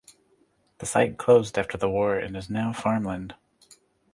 The site closed after the war and is now farmland.